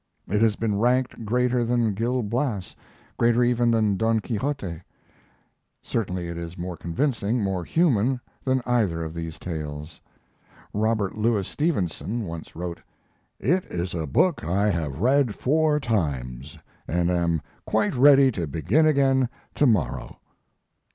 It has been ranked greater than Gil Blas, greater even than Don Quixote; certainly it is more convincing, more human, than either of these tales. Robert Louis Stevenson once wrote, "It is a book I have read four times, and am quite ready to begin again to morrow."